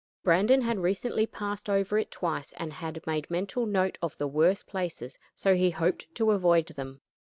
Brandon had recently passed over it twice, and had made mental note of the worst places, so he hoped to avoid them.